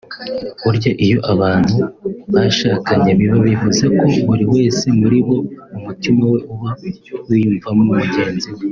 Burya iyo abantu bashakanye biba bivuze ko buri wese muri bo umutima we uba wiyumvamo mugenzi we